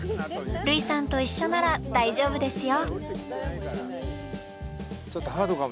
類さんと一緒なら大丈夫ですよ。